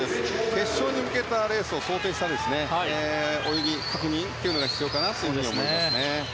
決勝に向けたレースを想定した泳ぎ、確認が必要だと思います。